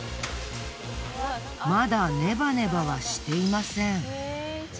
まだネバネバはしていません。